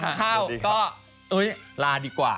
ถ้านังข้าวก็ลาดีกว่า